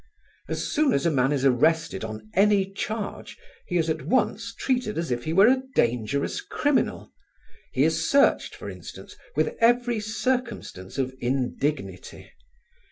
As soon as a man is arrested on any charge he is at once treated as if he were a dangerous criminal; he is searched, for instance, with every circumstance of indignity.